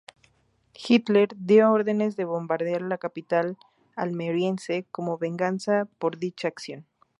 Hitler dio órdenes de bombardear la capital almeriense como venganza por dicha acción.